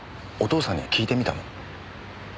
お父さんには聞いてみたの？